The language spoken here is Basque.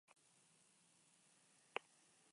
Honekin diziplina berezi bat sortu zuten.